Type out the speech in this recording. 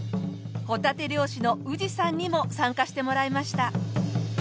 ホタテ漁師の宇治さんにも参加してもらいました。